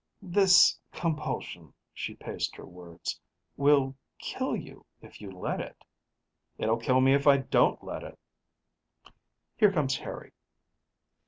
"This compulsion," she paced her words, "will kill you if you let it." "It'll kill me if I don't let it " "Here comes Harry."